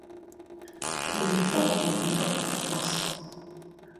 Dey di tok kontri tok for class.